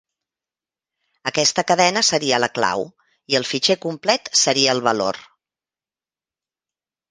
Aquesta cadena seria la clau, i el fitxer complet seria el valor.